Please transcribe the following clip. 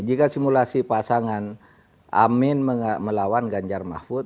jika simulasi pasangan amin melawan ganjar mahfud